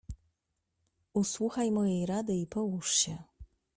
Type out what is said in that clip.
"Usłuchaj mojej rady i połóż się."